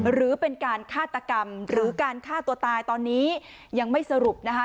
หรือเป็นการฆาตกรรมหรือการฆ่าตัวตายตอนนี้ยังไม่สรุปนะคะ